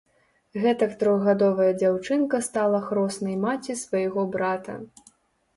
Гэтак трохгадовая дзяўчынка стала хроснай маці свайго брата.